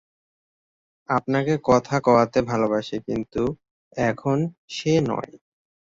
আপনাকে কথা কওয়াতে ভালোবাসি কিন্তু এখন সে নয়।